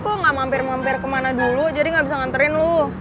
kok gak mampir mampir kemana dulu jadi nggak bisa nganterin loh